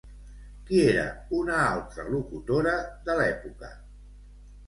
Qui era una altra locutora de l'època?